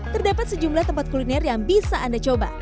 terdapat sejumlah tempat kuliner yang bisa anda coba